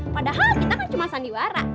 padahal kita kan cuma sandiwara